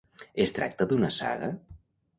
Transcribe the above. Es tracta d'una saga?